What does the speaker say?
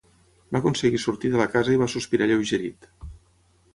Va aconseguir sortir de la casa i va sospirar alleugerit.